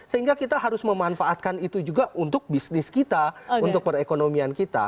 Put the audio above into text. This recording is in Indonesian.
sehingga kita harus memanfaatkan itu juga untuk bisnis kita untuk perekonomian kita